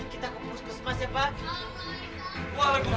kita ke puskesmas ya pak